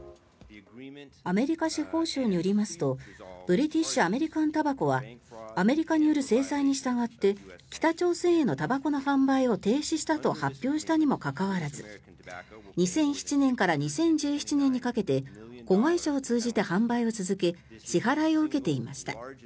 アメリカ司法省によりますとブリティッシュ・アメリカン・タバコはアメリカによる制裁に従って北朝鮮へのたばこの販売を停止したと発表したにもかかわらず２００７年から２０１７年にかけて子会社を通じて販売を続け支払いを受けていました。